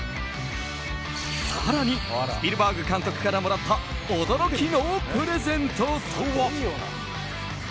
更にスピルバーグ監督からもらった驚きのプレゼントとは。